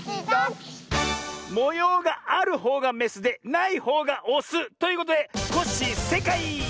もようがあるほうがメスでないほうがオスということでコッシーせいかい！